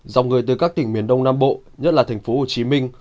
dòng người từ các tỉnh miền đông nam bộ nhất là thành phố hồ chí minh